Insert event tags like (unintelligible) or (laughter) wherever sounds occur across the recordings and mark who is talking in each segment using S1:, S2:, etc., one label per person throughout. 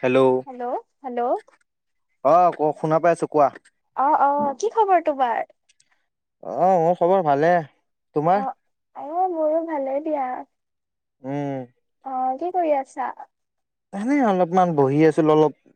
S1: Hello ', অ ক শুনা পাই আছো কোৱা?
S2: অ' অ' কি খবৰ তোমাৰ?
S1: অ' মোৰ খবৰ ভালে,
S2: অ
S1: তোমাৰ?
S2: অ' মোৰো ভালে দিয়া।
S1: উম।
S2: অ' কি কৰি আছা?
S1: এনে অলপমান বহি আছিলোঁ,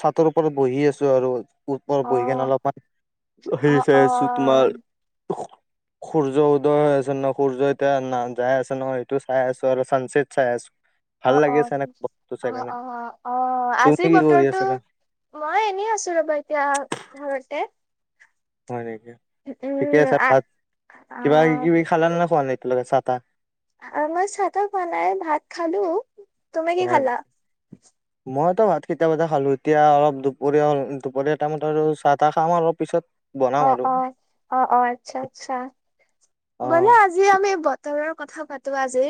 S1: চাটৰ ওপৰত বহি আছো আৰু।
S2: অ
S1: উপৰত বহি কিনে অলপমান
S2: অ
S1: হেৰি
S2: অ
S1: চাই আছোঁ তোমাৰ
S2: (inaudible)
S1: সূৰ্য উদয় হৈ আছে ন, সূৰ্য এতিয়া না যাই আছে ন, সেইটো চাই আছো আৰু চানচেট চাই আছো। ভাল
S2: অ'
S1: লাগি
S2: অ'অ'
S1: আছে এনে বস্তু চাই
S2: অ'
S1: কেনে
S2: অ' অ'
S1: তুমি
S2: আজি
S1: কি কৰি
S2: বতৰটো
S1: আছিলা
S2: মই এনেই আছো ৰবা, ঘৰতে।
S1: হয় নেকি ঠিকে
S2: উম
S1: আছে,
S2: আহ
S1: তাত কিবা কিবি খালা নে খোৱা নাই এতিয়ালৈকে চাহ তাহ।
S2: আমি চাহ -তাহ খোৱা নাই, ভাত খালো, তুমি কি
S1: হয় নে?
S2: খালা?
S1: মইতো ভাত কেইটাবাতে খালো, এতিয়া অলপ দুপৰীয়া দুপৰীয়া টাইমত আৰু চাহ তাহ খাম অলপ পিছত। বনাম
S2: অ'
S1: আৰু
S2: অ'অ' অ' আচ্ছা আচ্ছা।
S1: অ
S2: বলা আজি আমি বতৰৰ কথা পাতো আজি।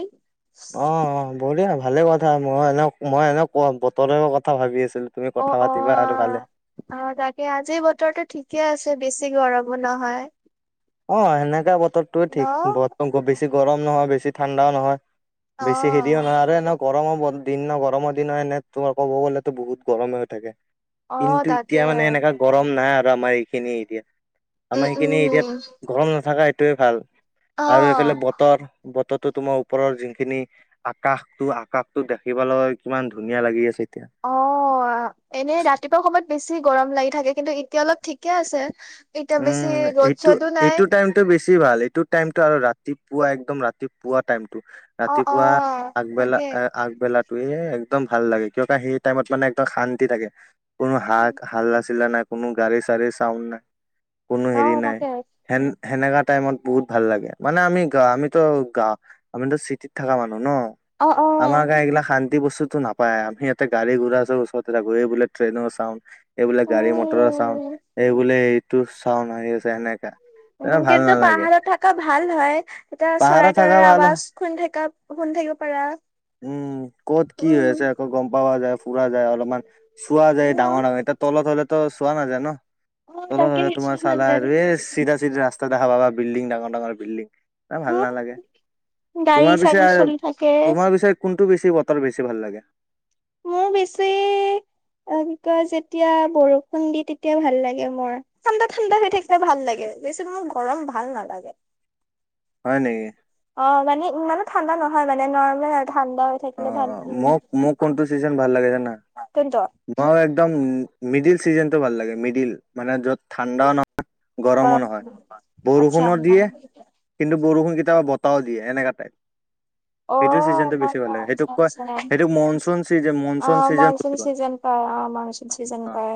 S1: অ' অ' বঢ়িয়া, ভালে কথা মই এনেক মই এনেক বতৰৰ কথা ভাবি আছিলো। তুমি
S2: অ
S1: কথা
S2: অ
S1: পাতিবা আৰু ভালে।
S2: অ' তাকে আজি বতৰো ঠিকে আছে বেছি গৰমো নহয়।
S1: অ' সেনেকাে বতৰটোয়ে
S2: ন
S1: ঠিক, ব বেছি গৰম নহয় বেছি ঠাণ্ডাও নহয়।
S2: অ
S1: বেছি হেৰিও নোৱাৰে আনক। গৰমৰ ব দিন ন, গৰমৰ দিন এনে তোমাৰ ক'ব গ'লেতো বহুত গৰমে হৈ থাকে।
S2: অ
S1: কিন্তু
S2: তাকে
S1: এতিয়া মানে এনেকুৱা গৰম নাই আৰু আমাৰ এইখিনি এৰিয়া,
S2: উম
S1: আমাৰ এইখিনি এৰিয়া
S2: উম
S1: গৰম নাথাকা সেইটোৱে ভাল,
S2: অ
S1: আৰু এইফালে বতৰ, বতৰটো তোমাৰ ওপৰৰ যিখিনি আকাশটো আকাশটো দেখিবলৈ কিমান ধুনীয়া লাগি আছে এতিয়া।
S2: অ এনেই ৰাতিপুৱা সময়ত বেছি গৰম লাগি থাকে, কিন্তু এতিয়া অলপ ঠিকে আছে। এতিয়া বেছি ৰ'দ চদো নাই।
S1: টো বেছি ভাল, এইটো টাইমটো আৰু ৰাতিপুৱা একদম ৰাতিপুৱা টাইমটো।
S2: অ অ
S1: ৰাতিপুৱা আগবেলা
S2: তাকে
S1: এ আগবেলাত। এ একদম ভাল লাগে, কিয়তা সেই টাইমত মানে একদম শান্তি লাগে। কোনো হা হাল্লা চিল্লা নাই, কোনো গাড়ী চাড়ী চাউণ্ড নাই। কোনো
S2: অ
S1: হেৰি নাই,
S2: তাকে
S1: সেন সেনেকা টাইমত বহুত ভাল লাগে। মানে আমি গা আমিতো গা আমিতো চিটিত থকা মানুহ ন?
S2: অ অ
S1: আমাৰ গা এইগিলা শান্তি বস্তুতো নাপা পাই। আমি ইয়াতে গাড়ী ঘূৰাৰ ওচৰততে এই বোলে ট্ৰেইনৰ চাউণ্ড এইবোলে গাড়ী মটৰ চাউণ্ড
S2: উম
S1: এইবোলে এইটো চাউণ্ড আহি আছে সেনেকা। এ
S2: উম,
S1: ভাল
S2: কিন্তু
S1: নালাগে
S2: পাহাৰত থকা ভাল হয়। এতিয়া
S1: পাহাৰত
S2: চৰাই
S1: থাকা
S2: তৰাই
S1: ভাল
S2: আৱাজ শুনি থকা শুনি থাকিব পাৰা।
S1: উম, ক'ত কি হৈ
S2: উম
S1: আছে আকৌ গ'ম পাৱা যায়, ফুৰা যায় অলপমান চোৱা যায়,
S2: উম
S1: ডাঙৰ ডাঙৰ এতিয়া তলত হ'লেতো চোৱা নাযায় ন?
S2: অ
S1: তলত
S2: তাকে
S1: হ'লে তোমাৰ চালা আৰু এই চিধা চিধি ৰাস্তা দেখা পাবা বিল্ডিং ডাঙৰ ডাঙৰ বিল্ডিং। এ ভাল
S2: উম
S1: নালাগে।
S2: গাড়ী
S1: তোমাৰ পিছে
S2: চাড়ী চলি থাকে
S1: তোমাৰ পি ছে কোনটো বেছি বতৰ বেছি ভাল লাগে?
S2: মোৰ বেছি যেতিয়া বৰষুণ দি তেতিয়া ভাল লাগে মোৰ। ঠাণ্ডা ঠাণ্ডা হৈ থাকিলে ভাল লাগে, বেছি মোৰ গৰম ভাল নালাগে।
S1: হয় নেকি?
S2: অ', মানে ইমানো ঠাণ্ডা নহয় মানে নৰৰ্মেল আৰু ঠাণ্ডা। থাকিলে ভাল
S1: অ', মোক মোক কোনটো চিজন ভাল লাগে জানা?
S2: কোনতো?
S1: মই একদম মিডিল চিজনটো ভাল লাগে। মিডিল মানে য'ত ঠাণ্ডাও নহ য় গৰমো
S2: গৰম
S1: নহয়,
S2: আচ্ছা
S1: বৰষুণো দিয়ে কিন্তু বৰষুণ কেতিয়াবা বতাহ দিয়ে এনেকা টাইপ।
S2: অ
S1: সেইটো চিজনটো বেছি ভাল লাগে,
S2: আচ্ছা
S1: সেইটোক কয়
S2: আচ্ছা
S1: সেইটোক monsoon season monsoon season
S2: monsoon
S1: বুলি কয়।
S2: চিজন অ', অ' মানচুন চিজন
S1: অ
S2: কয়।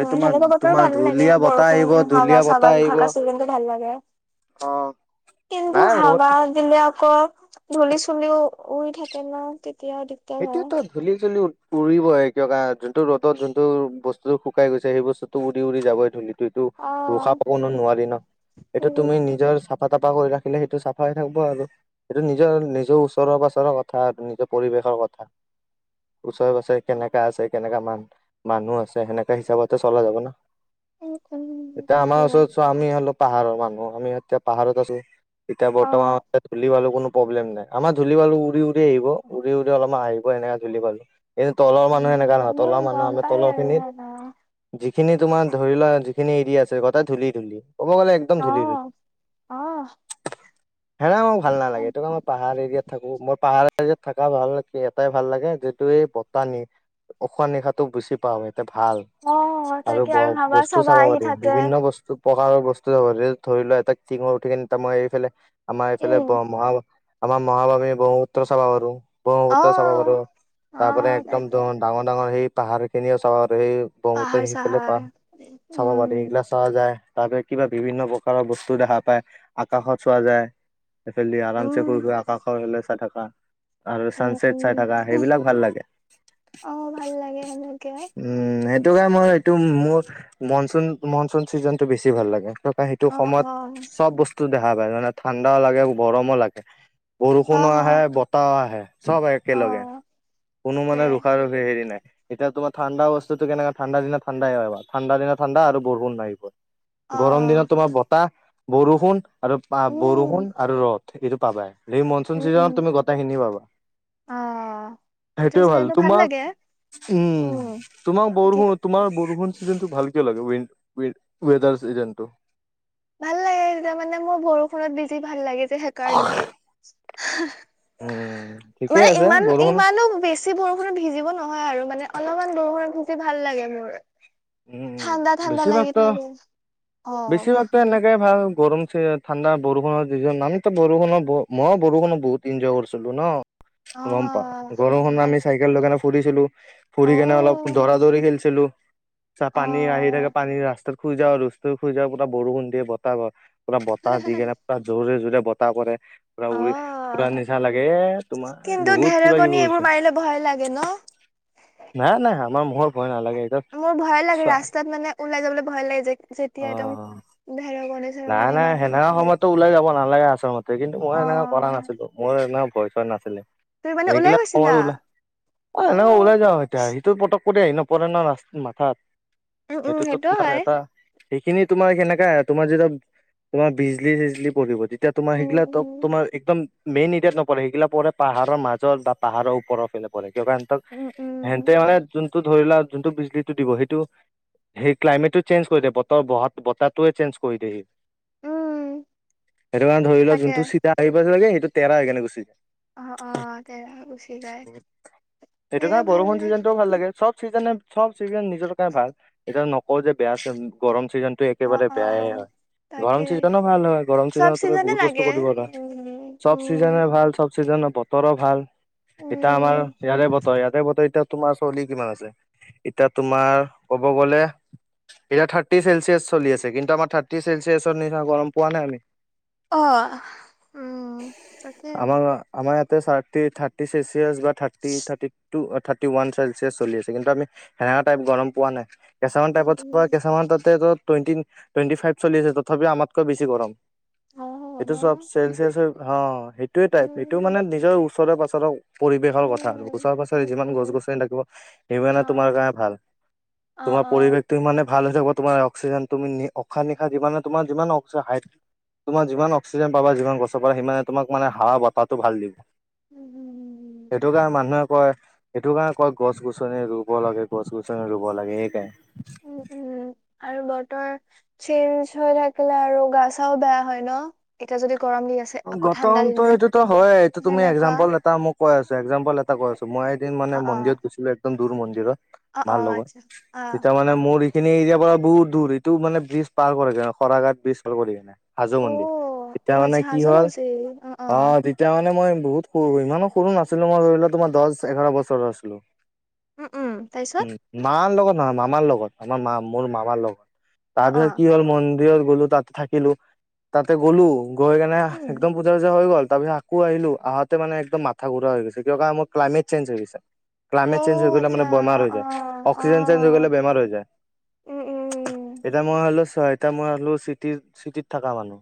S1: সেইটো তোমাৰ
S2: সেনেকুৱা বতৰো
S1: তোমাৰ
S2: ভাল লাগে,
S1: ধুলীয়া বতাহ
S2: বৰষুণ
S1: আহিব
S2: হাৱা
S1: ধুলীয়া
S2: চাৱা
S1: বতাহ
S2: দি
S1: আহিব
S2: থাকা চিজিন ভাল লাগে।
S1: অ'।
S2: কিন্তু
S1: নাই মোৰ
S2: হাৱা দিলেও আকৌ ধূলি চুলিও উৰি থাকে ন। তেতিয়া
S1: এতিয়া তাত ধূলি চুলী উৰিবই, কিয় যোনটো ৰ'দত যোনটো বস্তুতটো শুকাই গৈছে সেই বস্তুতটো উৰি উৰি যাবই ধূলিত। টোটো
S2: অ'
S1: ৰখাব কোনো নোৱাৰি ন। এইটো তুমি
S2: উম।
S1: নিজৰ চাফ চাফা তাফা কৰি ৰাখিলে সেইটো চাফাই থাকিব আৰু। সেইটো নিজৰ নিজৰ ওচৰ পাজৰৰ কথা আৰু নিজৰ পৰিৱেশৰ কথা। ওচৰে পাজৰে কেনেকা আছে কেনেকা মান মানুহ আছে সেনেকা হিচাপতে চলা যাব ন।
S2: উম, উম,
S1: এতিয়া
S2: তাকে
S1: আমাৰ ওচৰত চোৱা, আমি হ'লো পাহাৰৰ মানুহ আমি এতিয়া পাহাৰত আছো। এতিয়া বৰ্তমান
S2: অ'
S1: ধূলি বালিৰ কোনো প্ৰব্লেম নাই। আমাৰ ধূলি বালি উৰি উৰি আহিব উৰি উৰি অলপমান আহিব এনেকে ধূলি বালি কিন্তু তলৰ মানুহ
S2: উম,
S1: এনেকা নহয়,
S2: এনেই
S1: তলৰ মানুহ
S2: গম
S1: আমি
S2: পাই
S1: তলৰ
S2: আৰু ন।
S1: খিনিত যিখিনি তোমাৰ ধৰি লোৱা যিখিনি এৰিয়া আছে গোটেই ধূলি ধূলি। ক'ব গ'লে একম ধূলি
S2: অ' অ'
S1: ধূলি, হেনেও ভাল নালাগে। এইটো কাৰনত পাহাৰ এৰিয়াত থাকো, মই পাহাৰ এৰিয়াত থাকা ভাল কে এটাই ভাল লাগে, যিটো এই বতাহ উশাহ নিশাটো বেচি পাওঁ। এইটো ভাল।
S2: অ'
S1: আৰু
S2: তাকে
S1: ব
S2: হাৱা
S1: বস্তু
S2: চাৱা
S1: চাব
S2: আহি
S1: পাৰি
S2: থাকে।
S1: বিভিন্ন বস্তু প্ৰকাৰৰ বস্তু। ধৰি লোৱা এটা টিঙত উঠি কিনে তাৰ মই এইফালে আমাৰ এইফালে
S2: উম
S1: বৰ মহাবা- আমাৰ মহাবাহু ব্ৰহ্মপুত্ৰ চাবা পাৰো ব্ৰহ্মপুত্ৰ চাবা
S2: অ'
S1: পাৰো। তাৰপৰা
S2: অ'
S1: একদম
S2: তাকে
S1: দন ডাঙৰ ডাঙৰ সেই পাহাৰ খিনিও চাব পাৰো, সেই ব্ৰহ্মপুত্ৰ
S2: পাহাৰ
S1: সিফালে
S2: চাহাৰ
S1: পা চাব পাৰি।
S2: উম
S1: সেইগিলা চোৱা যায়। তাৰ পৰা কিবা বিভিন্ন প্ৰকাৰৰ বস্তু দেখা পায়, আকাশত চোৱা যায়। এইফালদি আৰাম
S2: উম
S1: চে শুই শুই আকাশলে চাহ থকা। আৰু
S2: উম
S1: চানচেট
S2: উম
S1: চাই থাকা সেইবিলাক ভাল লাগে
S2: অ' ভাল লাগে সেনেকে
S1: উম সেইটো কাৰণে মই এইটো মোৰ মনচুন মনচুন চিজনটো বেছি ভাল লাগে তাপা সেইটো
S2: অ' অ'
S1: সময়ত চব বস্তু টো দেখা পায় মানে ঠাণ্ডাও লাগে গৰমো লাগে বৰষুণো
S2: অ'
S1: আহে বতাহও আ হে চব আহে একেলগে
S2: অ'
S1: কোনো
S2: তাকে
S1: মানে ৰখা ৰখি হেৰি নাই এতিয়া তোমাৰ ঠাণ্ডা বস্তুটো কেনেকা দিনত ঠাণ্ডা হয় বাৰু ঠাণ্ডা দিনত ঠাণ্ডা বৰষুণ নাহিব গৰম
S2: অ'
S1: দিনত তোমাৰ বতাহ বৰষুণ আৰু পা
S2: উম
S1: বৰষুণ আৰু ৰদ এইটো পাবাই সেই
S2: উম
S1: মনচুন
S2: উম
S1: চিজনত তুমি গটেই খিনি পাবা
S2: আহ সেইটো
S1: সেইটোৱে ভাল
S2: চিজনটো
S1: তোমাক
S2: লাগে
S1: উম তোমাক
S2: কি
S1: বৰষুন তোমাৰ বৰষুণ চিজন টো ভাল কিয় লাগে ৱে ৱে ৱেডাৰ চিজানটো
S2: ভাল লাগে যেতিয়া মানে মোৰ বৰষুণত ভিজি ভাল লাগে যে সেইকাৰণে
S1: উম ঠিকে
S2: মানে
S1: আছে
S2: ইমান
S1: বৰষুণ
S2: ইমানো বেছ বেছি বৰষুণত ভিজিব নহয় আৰু মানে অলপমান বৰষুণত ভিজি ভাল লাগে মোৰ
S1: উম
S2: ঠাণ্ডা ঠাণ্ডা
S1: বেছিভাগ
S2: লাগি
S1: ত
S2: থাকে অ
S1: বেছিভাগ ত এনেকে ভাল গৰম চে ঠাণ্ডা বৰষুণৰ ৰিজন আমি বৰষুণৰ মইও বৰষুণত বহুত এনজয় কৰিছিলো ন
S2: অ
S1: গম পাও বৰষুণ
S2: তাত
S1: আমি চাইকেল লৈ কেনে ফুৰিছিলো
S2: অ
S1: ফুৰি কেনে অলপ দৌৰা দৌৰি খেলিছিলো ছা
S2: অ
S1: পানী আহি থাকে পানী ৰাস্তাত শুই যাওঁ আৰু শুই যাও পুৰা বৰষুণ দিয়ে বতাহ পুৰা বতাহ দি কেনে পুৰা জোৰে জোৰে বতাহ পৰে পুৰা
S2: অ
S1: উৰি উৰাৰ নিচিনা লাগে এ তোমাৰ
S2: কিন্তু
S1: বহুত কিবা
S2: ঢেৰেকণী
S1: কিবি
S2: এইবোৰ
S1: কৰিছো
S2: মাৰিলে ভয় লাগে ন
S1: নাই নাই আমাৰ ম ভয় নালাগে ইতা
S2: মোৰ ভয় লাগে ৰাস্তাত মানে ওলাই যাবলৈ ভয় লাগে যে
S1: অ
S2: যেতিয়া একদম ধেৰেকনিত
S1: নাই নাই সেনেকা সময়তো ওলাই যাব নালাগে আচল মত তে কিন্তু
S2: অ
S1: মই এনেকা কৰা নাছিলো মোৰ এনেকা ভয় চয় নাছিলে
S2: তুমি মানে ওলাই
S1: এইগিলাক
S2: গৈছিলা?
S1: সময় ওলা অ এনেকে
S2: উম
S1: ওলাই যাও এতিয়া সেইটো পতক কৰি আহি নপৰে না ৰা মাথাত
S2: উম
S1: সেইটোতো
S2: সেইটো
S1: তোমাৰ
S2: হয়।
S1: এটা সেইখিনি তোমাৰ সেনেকা তোমাৰ যেতিয়া তোমাৰ বিজলী চিজলী পৰিব এতিয়া তোমাৰ
S2: উম
S1: সেইগিলা ত
S2: উম
S1: তোমাৰ একদম মেইন ইতাত নপৰে সেইগিলা পৰে পাহাৰৰ মাজত বা পাহাৰৰ ওপৰৰ ফেলে পৰে কিবা এনটক
S2: উম
S1: হেনতে
S2: উম
S1: মানে যোনটো ধৰি লোৱা যোনটো বিজলীটো দিব সেইটো সেই ক্লাইমেটটো চেঞ্জ কৰি দিয়ে বতৰ বহা বতাহ টোৱে চেঞ্জ কৰি দিয়ে সি
S2: উম
S1: সেইটো কাৰণে ধৰি লোৱা
S2: তাকে
S1: যোনটো চিধা আহিব লাগে সেইটো তেৰা হৈ কেনে গুচি
S2: অ অ তে গুচি যায়
S1: সেইটো
S2: তেনেকে
S1: কাৰণে
S2: ভাল
S1: বৰষুণ
S2: লাগে
S1: চিজনটোও ভাল লাগে চব চিজনে চব চিজন নিজৰ কাৰণে ভাল এতিয়া নকওঁ যে বেয়া চিজ গৰম চিজনটো
S2: অ
S1: একেবাৰে
S2: অ
S1: বেয়াই হয় গৰম
S2: তাকে
S1: চিজনো ভাল হয় গৰম
S2: চব
S1: ছিজনত তুমি
S2: চিজনে
S1: বহুত বস্তু
S2: লাগে
S1: কৰিব পাৰা
S2: উম
S1: চব
S2: উম
S1: চিজনে ভাল চব চিজনে বতৰো ভাল এতিয়া আমাৰ
S2: উম
S1: ইয়াৰে বতৰ ইয়াতে বতৰ এতিয়া তোমাৰ চৰলি কিমান আছে এতিয়া তোমাৰ ক'ব গ'লে এতিয়া থাৰ্টি চেলচিয়াছ চলি আছে কিন্তু আমাৰ থাৰ্টি চেলচিয়াছৰ নিচিনা গৰম পোৱা নাই আমি
S2: অ উম তাকে
S1: আমাৰ আমাৰ ইয়াতে চাৰ্টি থাৰ্টি চেলচিয়ছ বা থাৰ্টি থাৰ্টি টু অ থাত থাৰ্টি ওৱান চেলচিয়াচ চলি আছে কিন্তু আমি সেনেকা টাইপ গৰম পোৱা নাই কেছামান
S2: উম
S1: টাইপত
S2: উম
S1: ত কেছামান তাতে টুৱেটি টুৱেণ্টি ফাইভ চলি আছে তথাপি আমতকৈ বেছি গৰম
S2: অ ন
S1: এইটো চব চেলচিয়াচৰ হ সেইটোয়ে টাইপ এইটো
S2: উম
S1: মানে নিজৰ ওচৰে পাচৰে পৰিৱেশৰ কথা আৰু
S2: উম
S1: ওচৰ
S2: উম
S1: পাচৰে যিমান গছ
S2: উম
S1: গছনি থাকিব
S2: অ
S1: সিমানে তোমাৰ কাৰণে ভাল।
S2: অ
S1: তোমাৰ
S2: অ
S1: পৰিৱেশটো সিমানে ভাল হৈ থাকিব তোমাৰ অক্সিজেন তুমি নি উশাহ নিশা যিমানে। তোমাৰ যিমান অক্সাইড হাইট। তোমাৰ যিমান অক্সিজেন পাবা যিমান গছৰ পৰা সিমানে তোমাক মানে হাৱা বতাহটো ভাল দিয়ে।
S2: উম
S1: সেইটো কাৰণ মানুহে কয়। সেইটো কাৰণে কয় গছ গছনি ৰুব লাগে গছ গছনি ৰুব লাগে সেইকাৰণে।
S2: উম আৰু বতৰ। চেইঞ্জেছ হৈ থাকিলে আৰু গা চাও বেয়া হয় ন এতিয়া যদি গৰম দি আছ।
S1: গৰমটোতো সেইটো হয় এইটো তুমি
S2: সেনেকুৱা
S1: এক্জাম্পল এটা মই কৈ আছ এক্জাম্পল এটা কৈ আছ। তো মই এদিন মানে
S2: অ অ
S1: মন্দিৰত গৈছিলোঁ একদম দূৰ মন্দিৰত
S2: অ অ
S1: মাৰ লগত
S2: আচ্ছা অ
S1: তেতিয়া মান। মানে মোৰ এইখিনি এৰিয়াৰ পৰা বহুত দূৰ এইটো মানে ব্ৰিজ পাৰ কৰেগে অহ শৰাই ঘাট ব্ৰিজ পাৰ কৰি। হাজো
S2: অ
S1: মন্দিৰ
S2: অ
S1: এতিয়া মানে
S2: আচ্ছা
S1: কি
S2: হাজো
S1: হল
S2: মজি অ অ
S1: হয়। তেতিয়া মানে মই বহুত সৰু ইমানো সৰু নাছিলোঁ মই ধৰি লোৱা তোমাৰ দহ এঘাৰ বছৰ আছিলোঁ।
S2: উম উম তাৰপিছত
S1: উম মাৰ লগত নহয় মামাৰ লগত আমাৰ মা মোৰ মামাৰ লগত।
S2: অ অ
S1: তাৰপিছত কি হ'ল মন্দিৰত গ'লো তাত থাকিলো তাতে গ'লো গৈ। মানে
S2: উম
S1: একদম পূজা চুজা হৈ গ'ল তাৰ পিছত। আকৌ আহিলোঁ আহোতে মানে একদম মাথা ঘূৰা হৈ গৈছে কিয় কা মোৰ ক্লাইমেট চেইঞ্জেছ হৈ গৈছে।
S2: অ
S1: ক্লাইমেট চেঞ্জেছ হৈ গলে
S2: আচ্ছা
S1: মানে বেমাৰ
S2: অ
S1: হৈ
S2: অ
S1: যায়
S2: অ
S1: অক্সিজেন চেঞ্জেছ হৈ গলে বেমাৰ হৈ যায়।
S2: উম উম
S1: এতিয়া মই হলো চোৱা এতিয়া মই হলো চিটিত চিটিত থকা মানুহ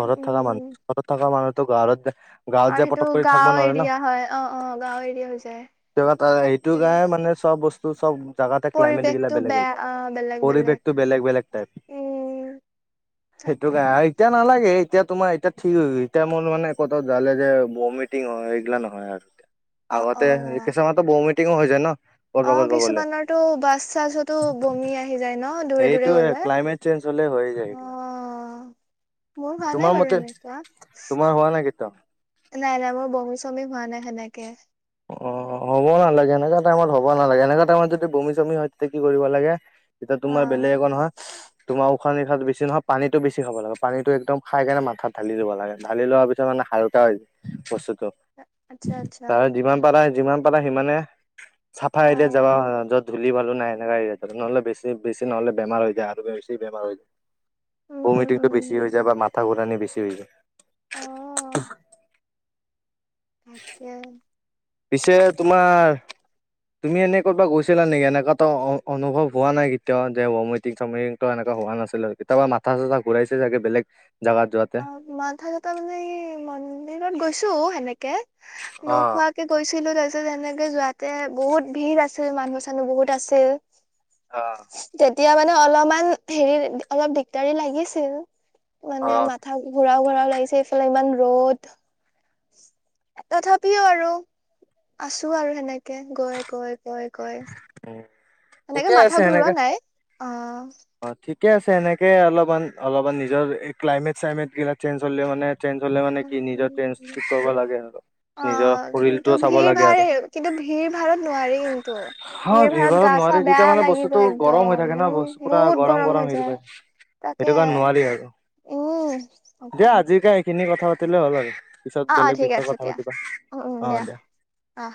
S2: উম
S1: থকা মান।
S2: উম
S1: মই মানুহটো ঘৰত দে। গাঁৱত
S2: আৰু
S1: যায়
S2: সেইটো
S1: পতক কৰি থাকব
S2: গাঁও
S1: নোৱাৰে ন
S2: এৰিয়া হয় অ অ গাঁও এৰিয়া হৈ যায়
S1: তোৰ বা তাৰে সেইটো গ (unintelligible) মানে। চব বস্তু চব। জাগাতে ক্লাইমেট গিলা
S2: পৰিৱেশটো
S1: বেলেগ
S2: বেয়া
S1: বেলেগ
S2: অ বেলেগ
S1: পৰিৱেশটো বেলেগ বেলেগ টাইপ।
S2: খাই।
S1: তো‌ খায় এতিয়া নালাগে এতিয়া তোমাৰ এতিয়া। ঠিক হৈ গৈ এতিয়া মোৰ মানে কতো জালে যে বমিটিং হয় এইগিলা নহয় আৰু।
S2: অ
S1: আগতে
S2: অ
S1: কিছুমান তো বমিটিংও হৈ যায় ন। কৰ'বা
S2: অহ
S1: কৰ'বা গ'লে
S2: কিছুমানৰ টো বাছ চাছতো বমি আ। হি যায় ন দূৰে দূৰে
S1: সেইটো
S2: গলে
S1: ক্লাইমেট চেঞ্জ হলে হৈ যায় এইগিলা
S2: অহ। মোৰ ভালেই
S1: তোমাৰ
S2: বাৰু
S1: মতে
S2: এনেকুৱা।
S1: তোমাৰ হোৱা নাই কেতিয়াও
S2: নাই নাই মোৰ বমি চমি হোৱা নাই এনেকে।
S1: অহ হ'ব নালাগে এনেকা টাইমত হব নালাগে এনেকা টাইমত যদি বমি চমি হয় তেতিয়া কি কৰিব লাগে। তেতিয়া
S2: অ
S1: তোমাৰ বেলেগ একো নহয়। তোমাৰ উশাহ নিশাত বেছি নহয় পানীটো বেছি খাব লাগে পানীটো একদম খাই কেনে মাথাত ধালি দিব লাগে ধালি লোৱাৰ পিছ। ত মানে হালকা হৈ বস্তুতো।
S2: আ আচ্ছা আচ্ছা।
S1: যিমান পাৰা যিমান পাৰা সিমানে চাফাই
S2: অ
S1: এৰিয়াত যাবা হয় য'ত। ধূলি বালো নাই এনেকা এৰিয়াত যায় নহলে বেছি বেছি নহ'লে বেমাৰ হৈ যায় আৰু বেছি বেমাৰ হৈ।
S2: উম উম
S1: বমিটিংটো
S2: উম
S1: বেছি হৈ যায় বা মাথা ঘূৰাণি বেছি হৈ যায়।
S2: অহ। তাকে।
S1: পিছে তোমাৰ। তুমি এনে ক'বা গৈছিলা নেকি এনেকুৱাতো অ অনুভৱ হোৱা নাই কেতিয়াও যে বমিটিং চামিটিং। ত এনেকুৱা হোৱা নাছিলে কেতিয়াবা মাথা চাথা ঘূৰাইছে চাগে বেলেগ জগাত যোৱাত।
S2: অ মাথা চাথা মানে কি মন্দিৰত গৈছো সেনেকে
S1: অ',
S2: নোখোৱা। কি গৈছিলো তাৰপিছত এনেকে যোৱাতে বহুত ভিৰ আছিল মানুহ চানুহ বহুত আছিল।
S1: অহ-
S2: তেতিয়া মানে অলপমান হেৰি অলপ দিগদাৰি লাগিছিল
S1: অ
S2: মানে মাত- ঘূৰাও ঘূৰাও লাগিছে এইফালে ইমান ৰ'দ। তথাপিও আৰু আছো আৰু সেনেকে গৈ গৈ- গৈ গৈ
S1: উম,
S2: সেনেকে
S1: ঠিকে
S2: মাথা ঘূৰৱা নাই অঁ।
S1: অঁ ঠিকে আছে এনেকে অলপমান অলপমান নিজৰ এই ক্লাইমেট চাইমেট গিলাক চেঞ্জ হ'লে মানে। চেঞ্জ হ'লে মানে কি নিজৰ ট্ৰন কি কৰিব লাগে সিহতক।
S2: অঁ কিন্তু ভিৰ ভাড় কিন্তু ভিৰ ভাৰত নোৱাৰি কিন্তু।
S1: অঁ ভিৰ
S2: গা
S1: ভাৰত
S2: চা
S1: নোৱাৰি তেতিয়া
S2: বেয়া
S1: মানে
S2: লাগি
S1: বস্তুতটো
S2: যায়
S1: গৰম হৈ
S2: একদম
S1: থাকে ন
S2: উম
S1: বস্তু পুৰা
S2: বহুত
S1: গৰম
S2: হৈ
S1: গৰম হেৰি
S2: যায়
S1: হয়ঁ।
S2: তাকে
S1: সেইটো কাৰণে নোৱাৰি আৰু
S2: উম
S1: দিয়া
S2: একদম
S1: আজিকে এইখিনি কথা পাতিলে হ'ল আৰু। পিছত
S2: অ অ
S1: বেলেগ
S2: ঠিক
S1: বিষয়ে
S2: আছে
S1: কথা পাতিবা অঁ দিয়া।
S2: অহ-